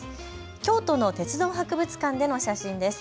京都の鉄道博物館での写真です。